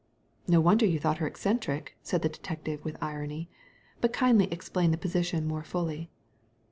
"No wonder you thought her eccentric," said the detective, with irony; "but kindly explain the position more fully."